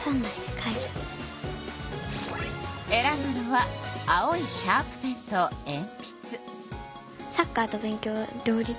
選んだのは青いシャープペンとえんぴつ。